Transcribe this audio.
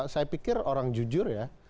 saya pikir orang jujur ya